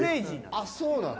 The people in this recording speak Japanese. あっそうなの？